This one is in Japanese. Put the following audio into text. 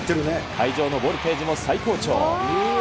会場のボルテージも最高潮。